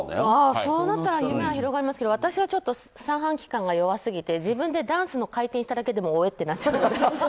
そうなったら夢が広がりますけど私は三半規管が弱すぎて自分でダンスの回転しただけでもおえってなっちゃうので。